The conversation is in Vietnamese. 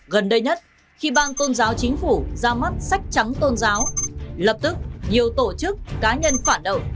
gần đây nhất khi bang tôn giáo chính phủ ra mắt sách trắng tôn giáo lập tức nhiều tổ chức cá nhân phản động